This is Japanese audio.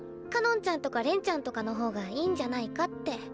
かのんちゃんとか恋ちゃんとかの方がいいんじゃないかって。